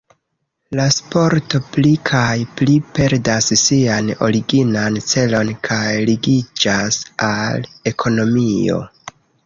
La sporto pli kaj pli perdas sian originan celon kaj ligiĝas al ekonomio.